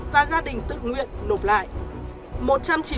và gia đình tự nguyện nộp lại